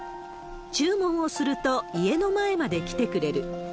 注文をすると、家の前まで来てくれる。